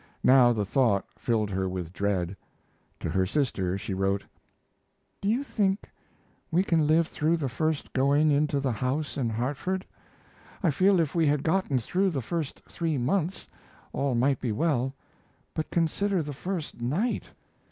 Now the thought filled her with dread. To her sister she wrote: Do you think we can live through the first going into the house in Hartford? I feel if we had gotten through the first three months all might be well, but consider the first night.